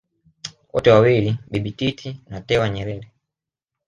wote wawili Bibi Titi na Tewa Nyerere